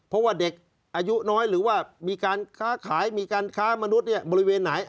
เพราะว่าเด็กอายุน้อยหรือว่ามีการค้าขายมีการค้ามนุษย์บริเวณไหน